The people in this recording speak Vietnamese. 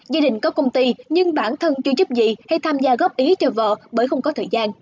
gia đình có công ty nhưng bản thân chưa giúp gì hay tham gia góp ý cho vợ bởi không có thời gian